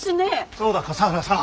そうだ笠原さん。